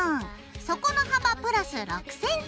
底の幅プラス６ｃｍ